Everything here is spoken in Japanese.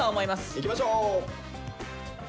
いきましょう！